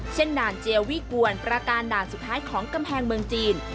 ด่านเจียววิกวนประการด่านสุดท้ายของกำแพงเมืองจีน